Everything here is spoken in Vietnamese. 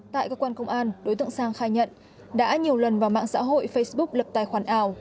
tại cơ quan công an đối tượng sang khai nhận đã nhiều lần vào mạng xã hội facebook lập tài khoản ảo